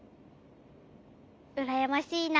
うらやましいな。